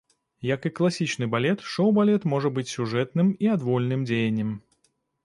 Як і класічны балет, шоу-балет можа быць сюжэтным і адвольным дзеяннем.